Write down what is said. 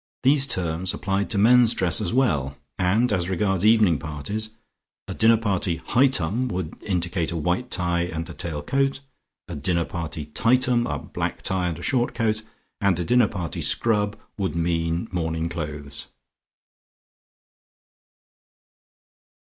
These terms applied to men's dress as well and as regards evening parties: a dinner party "Hightum" would indicate a white tie and a tail coat; a dinner party "Tightum" a black tie and a short coat, and a dinner "Scrub" would mean morning clothes.